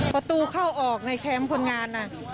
ประตูเข้าออกในแคมป์คนงาน